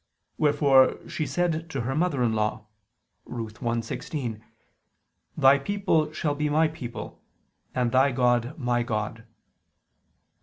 Wherefore she said to her mother in law (Ruth 1:16): "Thy people shall be my people, and thy God my God."